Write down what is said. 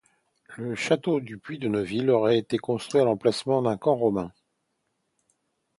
Le château du Puy de Neuville aurait été construit à l'emplacement d'un camp romain.